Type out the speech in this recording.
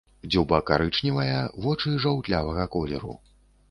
Дзюба карычневая, вочы жаўтлявага колеру.